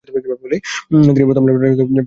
তিনি প্রথম লেফ্টানেন্টের পদে উন্নীত হন।